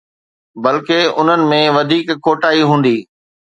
بلڪه، انهن ۾ وڌيڪ کوٽائي هوندي.